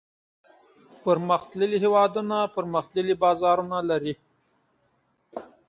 پرمختللي هېوادونه پرمختللي بازارونه لري.